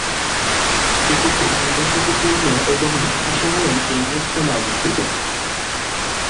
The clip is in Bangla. এটি ঘনবসতিপূর্ণ এবং ঢাকা শহরের কেন্দ্রস্থলে অবস্থিত।